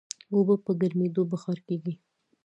اوبه په ګرمېدو بخار کېږي.